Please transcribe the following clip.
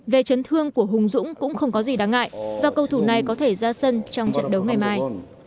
về chấn thương của hùng dũng cũng không có gì đáng ngại và cầu thủ này có thể ra sân trong trận đấu ngày mai